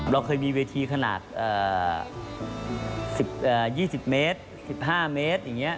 เราเคยมีเวทีขนาด๒๐เมตร๑๕เมตรอย่างนี้